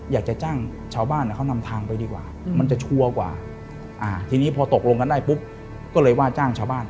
อยากจะจ้างชาวบ้านเขานำทางไปดีกว่ามันจะชัวร์กว่าทีนี้พอตกลงกันได้ปุ๊บก็เลยว่าจ้างชาวบ้าน